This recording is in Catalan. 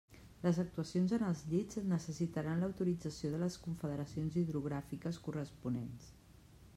Les actuacions en els llits necessitaran l'autorització de les confederacions hidrogràfiques corresponents.